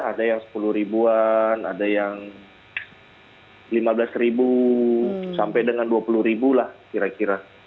ada yang sepuluh ribuan ada yang lima belas ribu sampai dengan dua puluh ribu lah kira kira